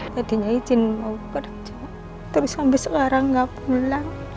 tadinya saya mau kerja terus sampai sekarang nggak pulang